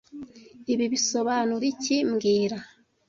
Ibi bisobanura iki mbwira